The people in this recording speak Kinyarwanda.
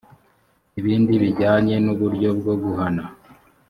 ibindi bijyanye n uburyo bwo guhana